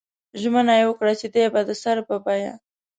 ژمنه یې وکړه چې دی به د سر په بیه.